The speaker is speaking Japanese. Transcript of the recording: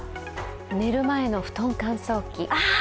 寝る前の布団乾燥機。